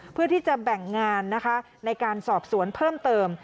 เพื่อที่จะแบ่งงานนะคะในการสอบสวนเพิ่มเติม